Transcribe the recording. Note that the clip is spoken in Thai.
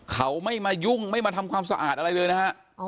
เขาไม่มายุ่งไม่มาทำความสะอาดอะไรเลยนะฮะ